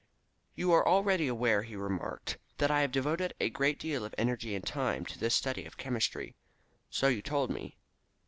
"You are already aware," he remarked, "that I have devoted a great deal of energy and of time to the study of chemistry." "So you told me."